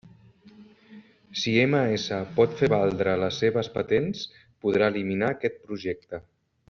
Si MS pot fer valdre les seves patents, podrà eliminar aquest projecte.